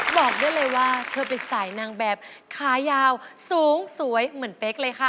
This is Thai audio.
บอกได้เลยว่าเธอเป็นสายนางแบบขายาวสูงสวยเหมือนเป๊กเลยค่ะ